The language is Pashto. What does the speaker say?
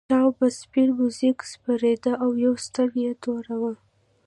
ټام به په سپین موږک سپرېده او یوه ستن یې توره وه.